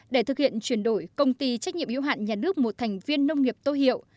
để thực hiện chuyển đổi công ty trách nhiệm yếu hạn nhà nước một thành viên nông nghiệp tô hiệu